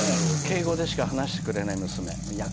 敬語でしか話してくれない娘。